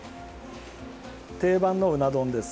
定番のうな丼です。